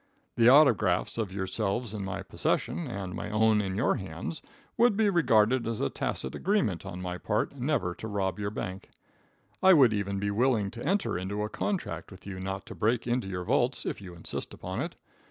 The autographs of yourselves in my possession, and my own in your hands, would be regarded as a tacit agreement on my part never to rob your bank. I would even be willing to enter into a contract with you not to break into your vaults, if you insist upon it.